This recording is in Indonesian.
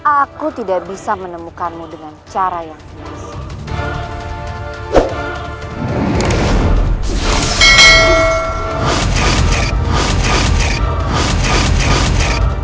aku tidak bisa menemukanmu dengan cara yang jelas